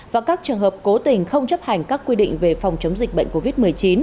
và các trường hợp cố tình không chấp hành các quy định về phòng chống dịch bệnh covid một mươi chín